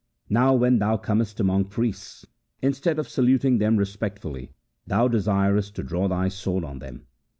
Now when thou comest among priests, instead of saluting them respectfully, thou desirest to draw thy sword on them.